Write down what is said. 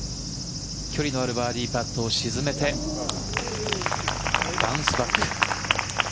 距離のあるバーディーパットを沈めてバウンスバック。